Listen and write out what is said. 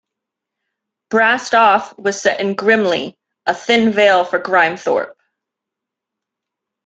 "Brassed Off" was set in "Grimley", a thin veil for Grimethorpe.